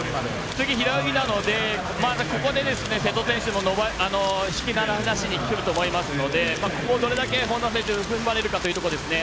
次、平泳ぎなので瀬戸選手も突き放してくると思いますのでここをどれだけふんばれるかというところですね。